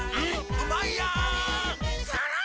うまいやん！